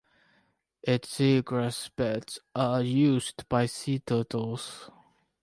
Its seagrass beds are used by sea turtles.